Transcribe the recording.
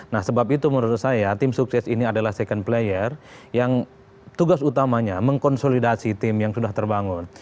nah sebab itu menurut saya tim sukses ini adalah second player yang tugas utamanya mengkonsolidasi tim yang sudah terbangun